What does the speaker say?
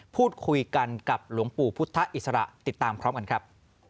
พูดคุยกันกับหลวงปู่พุทธอิสระติดตามพร้อมกันครับ